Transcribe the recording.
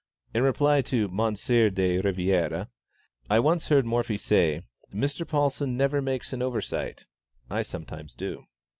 In reply to Mons. de Rivière, I once heard Morphy say, "Mr. Paulsen never makes an oversight; I sometimes do."